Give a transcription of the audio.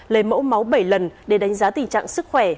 lấy mẫu máu bảy lần để đánh giá tình trạng sức khỏe